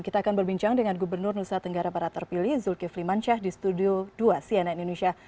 kita akan berbincang dengan gubernur nusa tenggara barat terpilih zulkifli mancah di studio dua cnn indonesia